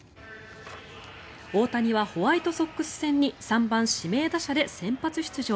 大谷はホワイトソックス戦に３番指名打者で先発出場。